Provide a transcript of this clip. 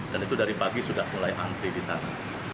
dan itu dari pagi sudah mulai angkri di sana